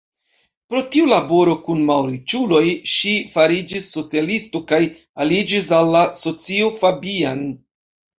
Pro tiu laboro kun malriĉuloj, ŝi fariĝis socialisto kaj aliĝis al la Socio Fabian.